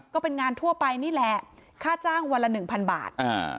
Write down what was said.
ก็เป็นงานทั่วไปนี่แหละค่าจ้างวันละหนึ่งพันบาท